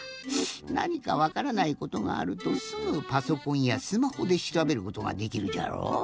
なにかわからないことがあるとすぐパソコンやスマホでしらべることができるじゃろう。